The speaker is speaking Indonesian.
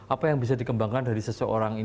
apa yang bisa dikembangkan dari seseorang